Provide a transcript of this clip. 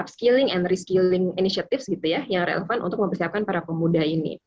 skilling and reskilling initiative gitu ya yang relevan untuk mempersiapkan para pemuda ini